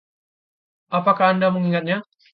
Apakah anda mengingatnya?